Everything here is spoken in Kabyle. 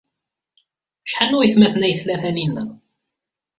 Acḥal n waytmaten ay tla Taninna?